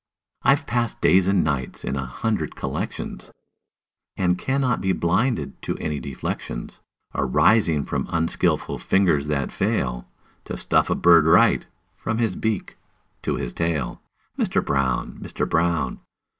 I've passed days and nights in a hundred collections, And cannot be blinded to any deflections Arising from unskilful fingers that fail To stuff a bird right, from his beak to his tail. Mister Brown! Mister Brown!